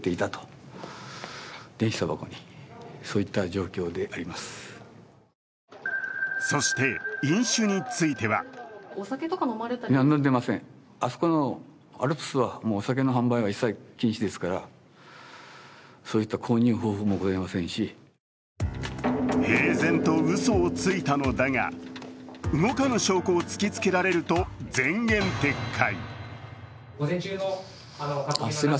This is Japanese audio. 井手県議の釈明はそして飲酒については平然とうそをついたのだが動かぬ証拠を突きつけられると前言撤回。